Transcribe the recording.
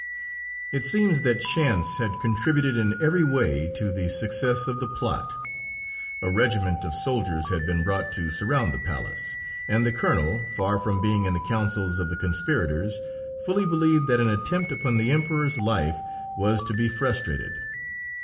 It seems that chance had contributed in every way to the success of the plot. A regiment of soldiers had been brought to surround the palace, and the Colonel, far from being in the counsels of the conspirators, fully believed that an attempt upon the Emperor's life was to be frustrated.